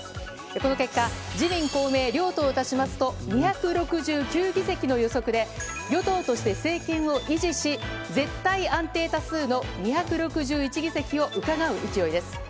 この結果、自民、公明両党を足しますと、２６９議席の予測で、与党として政権を維持し、絶対安定多数の２６１議席をうかがう勢いです。